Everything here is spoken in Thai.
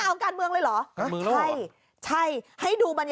อาจจะเป็นความผิดนะครับขอให้ลดละผิดกิจกรรม